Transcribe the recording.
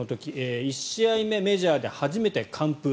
１試合目メジャーで初めて完封。